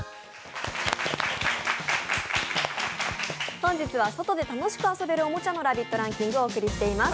本日は外で楽しく遊べるおもちゃのランキングをお届けしています。